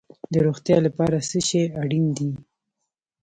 د روغتیا لپاره څه شی اړین دي؟